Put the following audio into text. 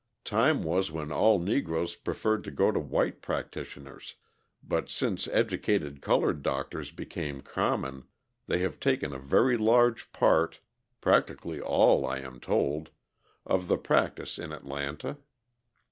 Time was when all Negroes preferred to go to white practitioners, but since educated coloured doctors became common, they have taken a very large part practically all, I am told of the practice in Atlanta.